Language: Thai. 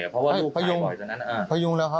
แล้วทำหลายครั้งด้วยเหรอ